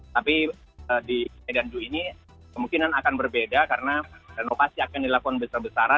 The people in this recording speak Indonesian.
tapi di medan zoo ini kemungkinan akan berbeda karena renovasi akan dilakukan besar besar